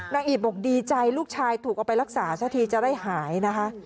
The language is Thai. อีดบอกดีใจลูกชายถูกเอาไปรักษาซะทีจะได้หายนะคะ